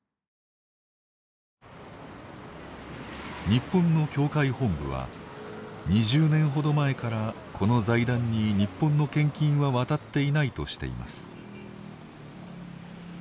日本の教会本部は２０年ほど前からこの財団に日本の献金は渡っていないとしています。